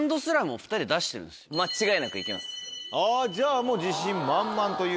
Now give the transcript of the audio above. あぁじゃあもう自信満々ということで。